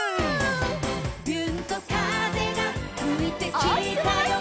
「びゅーんと風がふいてきたよ」